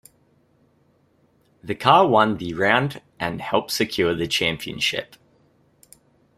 The car won the round and helped secure the championship.